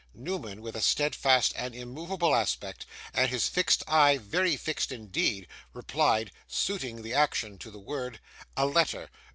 Newman, with a steadfast and immovable aspect, and his fixed eye very fixed indeed, replied, suiting the action to the word, 'A letter.